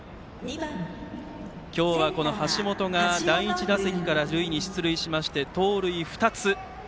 今日は橋本が第１打席から出塁しまして盗塁２つ。